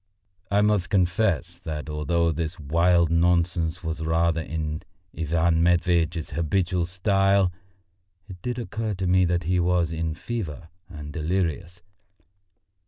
I must confess that although this wild nonsense was rather in Ivan Matveitch's habitual style, it did occur to me that he was in a fever and delirious.